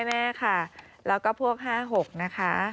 แม่ค่ะแล้วก็พวก๕๖นะคะ